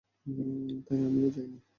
তাই আমিও যাইনি।